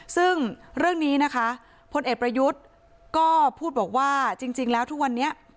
ซึ่งเรื่องนี้นะคะพลเอกประยุทธ์ก็พูดบอกว่าจริงแล้วทุกวันนี้